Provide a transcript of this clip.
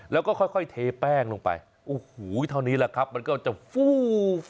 แล้วก็ค่อยเทแป้งลงไปเท่านี้ละครับมันก็จะฟู้วววว